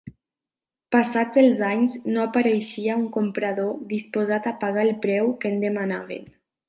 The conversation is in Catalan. Passats els anys, no apareixia un comprador disposat a pagar el preu que en demanaven.